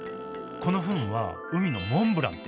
このフンは海のモンブランって。